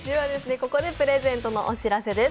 ここでプレゼントのお知らせです。